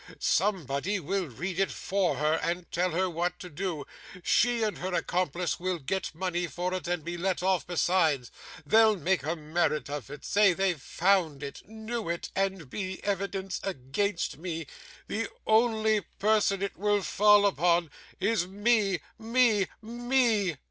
Somebody will read it for her, and tell her what to do. She and her accomplice will get money for it and be let off besides; they'll make a merit of it say they found it knew it and be evidence against me. The only person it will fall upon is me, me, me!